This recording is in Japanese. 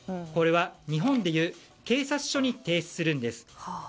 これは日本でいう警察署に提出するんです。